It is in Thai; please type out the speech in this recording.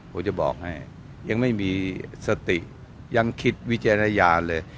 ผมจะบอกให้ยังไม่มีสติยังคิดวิจารณญาณเลย